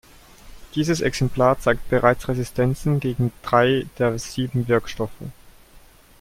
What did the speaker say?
Dieses Exemplar zeigt bereits Resistenzen gegen drei der sieben Wirkstoffe.